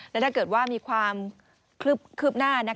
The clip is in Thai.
และถ้าเกิดว่ามีความคืบหน้า